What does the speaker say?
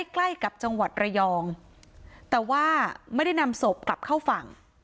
ใกล้กับจังหวัดระยองแต่ว่าไม่ได้นำศพกลับเข้าฝั่ง